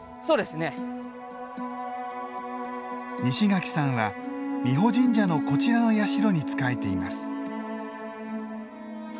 西垣さんは美保神社のこちらの社に仕えています。